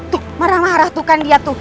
tuh marah marah tuh kan dia tuh